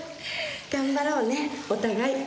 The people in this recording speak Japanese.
頑張ろうねお互い。